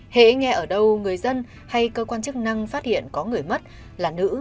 hãy nghe ở đâu người dân hay cơ quan chức năng phát hiện có người mất là nữ